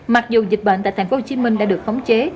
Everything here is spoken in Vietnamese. mặc dù dịch bệnh tại thành phố hồ chí minh đã được khống chế